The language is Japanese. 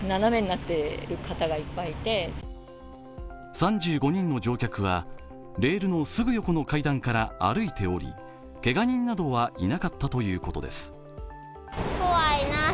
３５人の乗客はレールのすぐ横の階段から歩いて降り、けが人などはいなかったということです。